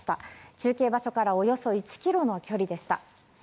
中継場所からおよそ１ｋｍの距離でした。